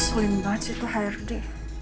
seling banget itu hair di